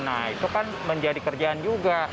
nah itu kan menjadi kerjaan juga